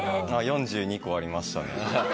４２個ありましたね。